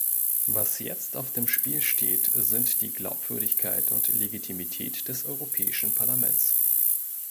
Was jetzt auf dem Spiel steht, sind die Glaubwürdigkeit und Legitimität des Europäischen Parlaments.